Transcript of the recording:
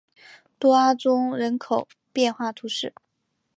多阿宗人口变化图示